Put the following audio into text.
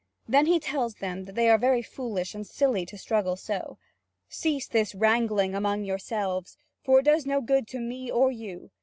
Then he tells them that they are very foolish and silly to struggle so. "Cease this wrangling among yourselves, for it does no good to me or you.